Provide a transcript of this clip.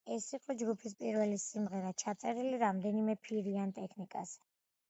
ეს იყო ჯგუფის პირველი სიმღერა, ჩაწერილი რამდენიმე ფირიან ტექნიკაზე.